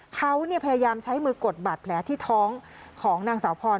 เขาพยายามใช้มือกดบาดแผลที่ท้องของนางสาวพร